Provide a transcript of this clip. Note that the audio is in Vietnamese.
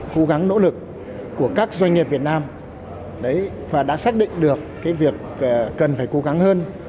cố gắng nỗ lực của các doanh nghiệp việt nam và đã xác định được cần phải cố gắng hơn